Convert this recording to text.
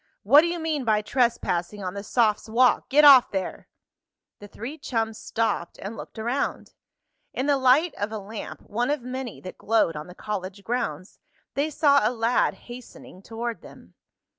What do you mean by trespassing on the sophs' walk. Get off there!" The three chums stopped, and looked around. In the light of a lamp, one of many that glowed on the college grounds, they saw a lad hastening toward them.